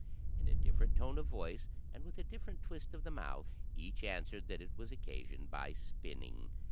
In a different tone of voice, and with a different twist of the mouth, each answered that it was occasioned by spinning.